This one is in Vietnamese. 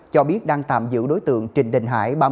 cho biết đang tạm giữ đối tượng trình đình hải